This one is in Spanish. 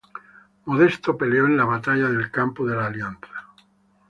Modesto peleó en la batalla del Campo de la Alianza.